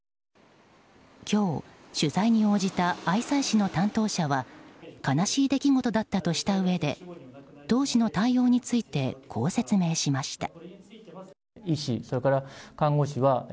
今日、取材に応じた愛西市の担当者は悲しい出来事だったとしたうえで当時の対応についてこう説明しました。